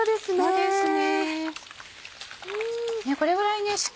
そうですね。